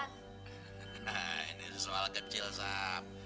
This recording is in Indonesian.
nah ini soal kecil sam